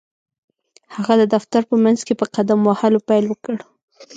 هغه د دفتر په منځ کې په قدم وهلو پيل وکړ.